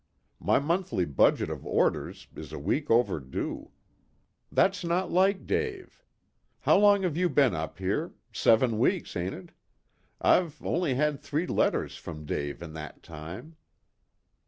My monthly budget of orders is a week overdue. That's not like Dave. How long have you been up here? Seven weeks, ain't it? I've only had three letters from Dave in that time."